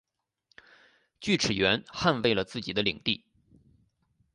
锯齿螈捍卫了自己的领地。